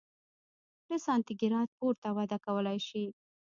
له سانتي ګراد پورته وده کولای شي.